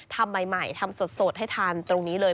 ทำใหม่ทำสดให้ทานตรงนี้เลย